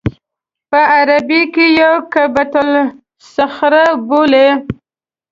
په عربي کې یې قبة الصخره بولي.